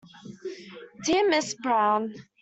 Dear Mrs Brown.